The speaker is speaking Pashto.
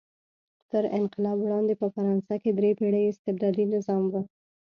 تر انقلاب وړاندې په فرانسه کې درې پېړۍ استبدادي نظام و.